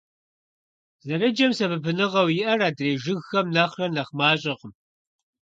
Зэрыджэм сэбэпынагъыу иӀэр адрей жыгхэм нэхърэ нэхъ мащӀэкъым.